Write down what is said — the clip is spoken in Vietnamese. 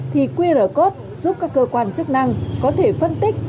thì qr code giúp các cơ quan chức năng có thể phân tích